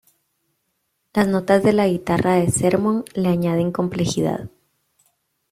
Las notas de la guitarra de Sermon le añaden complejidad.